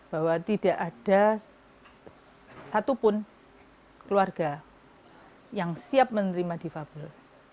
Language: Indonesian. bahwa tidak ada satupun keluarga yang siap menerima difabel